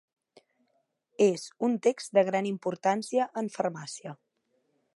És un text de gran importància en farmàcia.